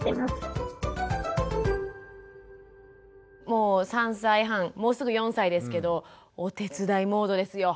もう３歳半もうすぐ４歳ですけどお手伝いモードですよ。